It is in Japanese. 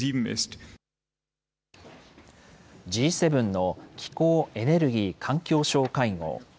Ｇ７の気候・エネルギー・環境相会合。